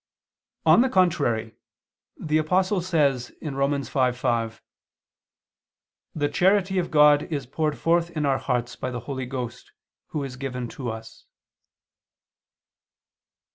On the contrary, The Apostle says (Rom. 5:5): "The charity of God is poured forth in our hearts by the Holy Ghost, Who is given to us."